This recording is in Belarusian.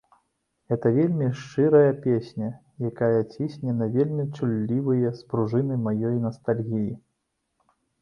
Гэта вельмі шчырая песня, якая цісне на вельмі чуллівыя спружыны маёй настальгіі.